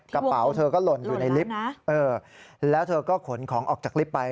กระเป๋าเธอก็หล่นอยู่ในลิฟต์แล้วเธอก็ขนของออกจากลิฟต์ไป